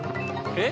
えっ？